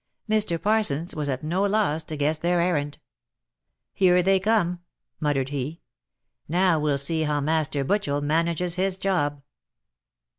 Mr. Parsons was at no loss to guess their errand. "Here they cornel" muttered he. "Now we'll see how Master Butchel manages his job.